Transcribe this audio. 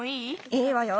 いいわよ